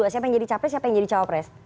siapa yang jadi capres siapa yang jadi calon pres